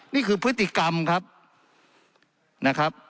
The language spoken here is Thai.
นี่คือพฤติกรรมครับนะครับ